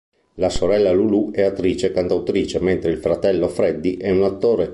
La sorella Lulu è attrice e cantautrice, mentre il fratello Freddie è un attore.